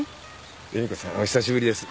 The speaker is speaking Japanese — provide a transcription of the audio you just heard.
夕美子さんお久しぶりです。